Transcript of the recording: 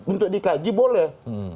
untuk dikaji boleh